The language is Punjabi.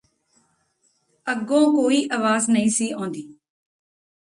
ਅੱਗੋਂ ਕੋਈ ਆਵਾਜ਼ ਨਹੀਂ ਸੀ ਆਉਂਦੀ